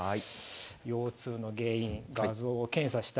腰痛の原因画像検査した。